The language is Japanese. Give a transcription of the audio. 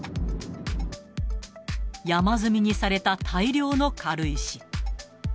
山積みにされた大量の軽石。